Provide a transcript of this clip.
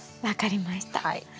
分かりました。